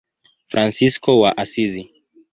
Fransisko wa Asizi.